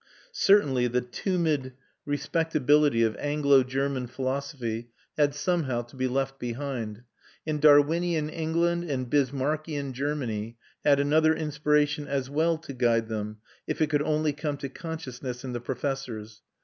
Certainly, the tumid respectability of Anglo German philosophy had somehow to be left behind; and Darwinian England and Bismarckian Germany had another inspiration as well to guide them, if it could only come to consciousness in the professors.